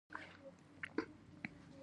لکه شخړو، سیلاب، زلزلې او ولږې کې ورکول کیږي.